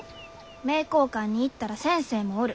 名教館に行ったら先生もおる。